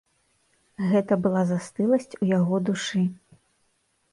Гэта была застыласць у яго душы.